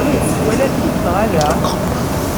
Twala-tent neɣ ala?